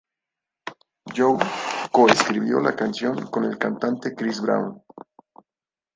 Joe co-escribió la canción con el cantante Chris Brown.